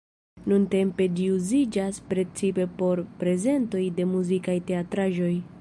Nuntempe ĝi uziĝas precipe por prezentoj de muzikaj teatraĵoj.